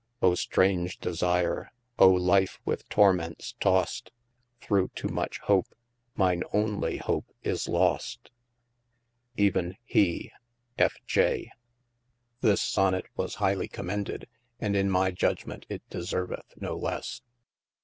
Oh straunge desire, 0 life with torments tost Through too much hope, mine onely hope is lost. Even HE F. J. 394 OF MASTER F. J. THis sonet was highly commended, and in my judgement it deserveth no lesse.